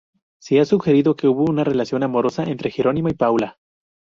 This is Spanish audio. Se ha sugerido que hubo una relación amorosa entre Jerónimo y Paula.